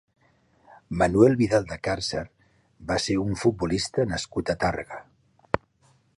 Manuel Vidal de Cárcer va ser un futbolista nascut a Tàrrega.